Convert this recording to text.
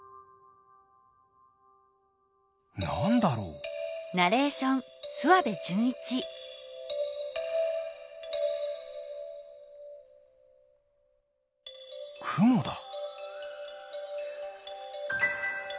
なんだろう？クモだ。